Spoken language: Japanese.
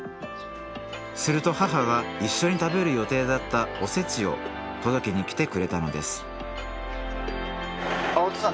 すると母が一緒に食べる予定だったお節を届けに来てくれたのですお父さん